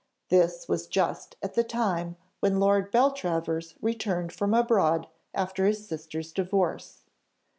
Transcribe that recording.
This was just at the time when Lord Beltravers returned from abroad after his sister's divorce.